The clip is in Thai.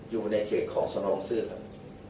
อยู่ในเขตของสนองเสื้อครับ